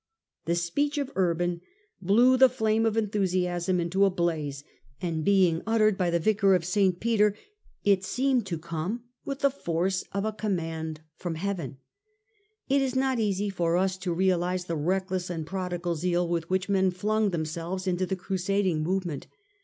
The speech of Urban blew the flame of enthusiasm into a blaze, and being uttered by the vicar of St. Peter, it seemed to come with the force of a command from heaven. It is not easy for us to realise the reckless and prodigal zeal with which men flung themselves into the crusading movement.